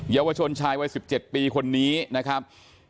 เยาวชนชายวัย๑๗ปีคนนี้นะครับ